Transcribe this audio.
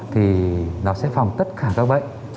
thì nó sẽ phòng tất cả các bệnh